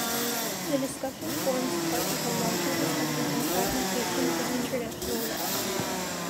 The discussion forms part of a larger discussion on fragmentation of international law.